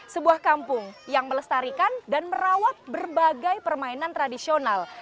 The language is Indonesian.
sebuah kampung yang melestarikan dan merawat berbagai permainan tradisional